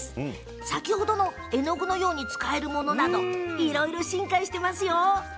先ほどの絵の具のように使えるものなどいろいろ進化していますよ。